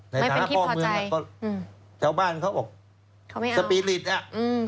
น่าจะเขาเบิ้ลอืมแถวบ้านเขาบอกเขาไม่เอาอืม